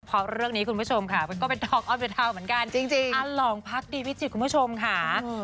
พอเรื่องนี้คุณผู้ชมค่ะ